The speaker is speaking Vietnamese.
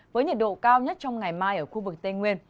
với nhiệt độ cao nhất trong ngày mai ở khu vực tây nguyên